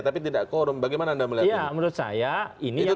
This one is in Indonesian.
tapi tidak korum bagaimana anda melihat ini